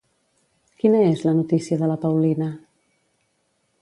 Quina és la notícia de la Paulina?